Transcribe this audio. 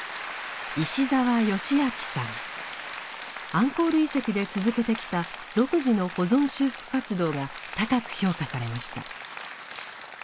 アンコール遺跡で続けてきた独自の保存修復活動が高く評価されました。